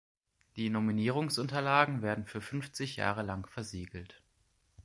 Die Nominierungsunterlagen werden für fünfzig Jahre lang versiegelt.